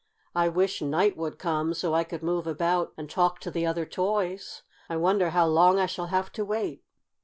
I wish night would come, so I could move about and talk to the other toys. I wonder how long I shall have to wait?"